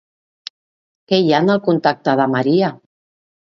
Què hi ha en el contacte de la Maria?